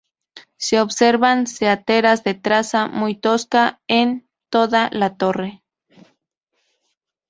Se observan saeteras de traza muy tosca en toda la torre.